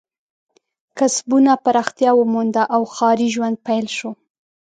کسبونه پراختیا ومونده او ښاري ژوند پیل شو.